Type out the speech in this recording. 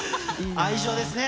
愛情ですね。